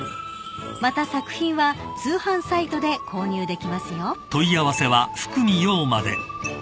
［また作品は通販サイトで購入できますよ］